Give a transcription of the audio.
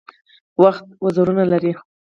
وخت وزرونه لري .